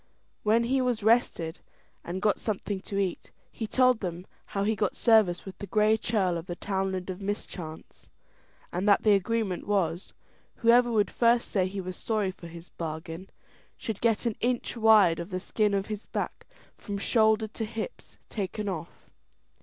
When he was rested and got something to eat, he told them how he got service with the Gray Churl of the Townland of Mischance, and that the agreement was, whoever would first say he was sorry for his bargain, should get an inch wide of the skin of his back, from shoulder to hips, taken off.